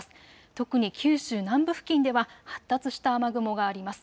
特に九州南部付近では発達した雨雲があります。